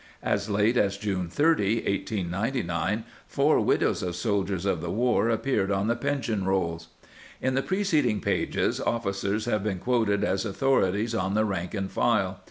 As late as June 30, 1899, four widows of soldiers of the war appeared on the pension rolls.* In the preceding pages officers have been quoted as authorities on the rank and file.